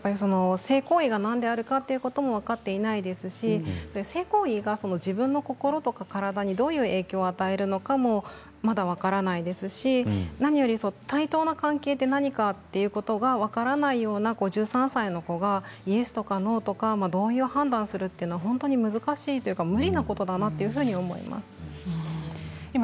性行為が何であるかということも分かっていないですし性行為が自分の心と体にどういう影響を与えるのかまだ分からないですし何より対等な関係が何かということが分からないような１３歳の子が、イエスとかノーとか、同意を判断するというのは難しいというか無理なことだなと思っています。